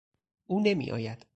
او نمی آید.